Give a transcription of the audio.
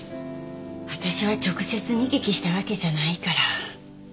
私は直接見聞きしたわけじゃないから。